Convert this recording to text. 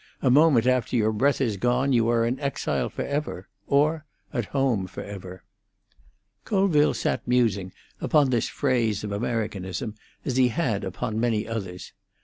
A moment after your breath is gone you are in exile for ever—or at home for ever." Colville sat musing upon this phase of Americanism, as he had upon many others.